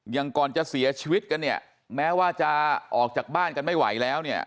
ก่อนจะเสียชีวิตกันเนี่ยแม้ว่าจะออกจากบ้านกันไม่ไหวแล้วเนี่ย